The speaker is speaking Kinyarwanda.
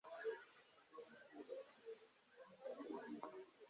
Narebye hirya no hino imbunda niba bishoboka.